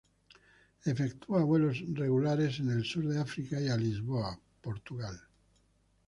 Efectúa vuelos regulares en el sur de África y a Lisboa, Portugal.